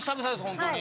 本当に。